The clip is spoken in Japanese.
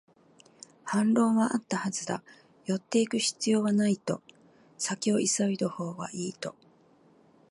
反論はあったはずだ、寄っていく必要はないと、先を急いだほうがいいと